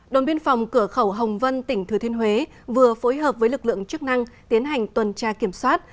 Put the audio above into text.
đồn biên phòng cửa khẩu hồng vân tỉnh thừa thiên huế vừa phối hợp với lực lượng chức năng tiến hành tuần tra kiểm soát